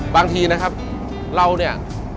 บางทีนะครับเราเนี่ย